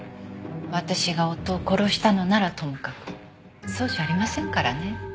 私が夫を殺したのならともかくそうじゃありませんからね。